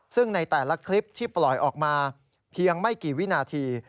ซึ่งในแต่ละคลิปที่ปล่อยออกมาเพียงไม่กี่วินาที